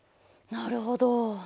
なるほど。